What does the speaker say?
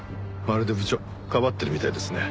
まるで部長かばってるみたいですね。